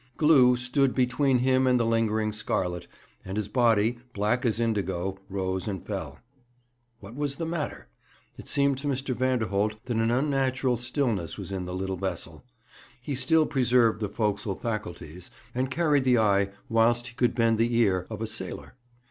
Glew stood between him and the lingering scarlet, and his body, black as indigo, rose and fell. What was the matter? It seemed to Mr. Vanderholt that an unnatural stillness was in the little vessel. He still preserved the forecastle faculties, and carried the eye, whilst he could bend the ear, of a sailor.